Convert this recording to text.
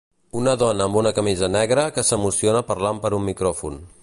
Una dona amb una camisa negra que s'emociona parlant per un micròfon.